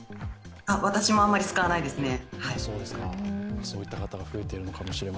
私もあんまり使わないですね。